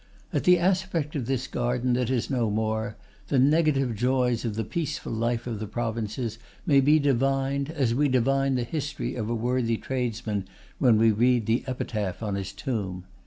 At the aspect of this garden that is no more, the negative joys of the peaceful life of the provinces may be divined as we divine the history of a worthy tradesman when we read the epitaph on his tomb.